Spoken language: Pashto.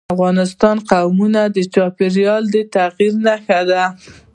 افغانستان کې قومونه د چاپېریال د تغیر نښه ده.